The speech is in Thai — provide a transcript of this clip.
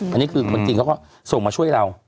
อันนี้คือคนจีนเขาก็ส่งมาช่วยเรา